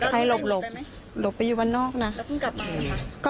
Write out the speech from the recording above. ให้หลบหลบหลบไปอยู่บ้านนอกน่ะแล้วเพิ่งกลับมาไหนค่ะ